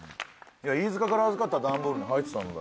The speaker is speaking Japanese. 飯塚から預かった段ボールに入ってたんだよ。